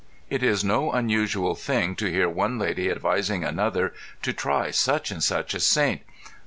It is no unusual thing to hear one lady advising another to try such and such a saint.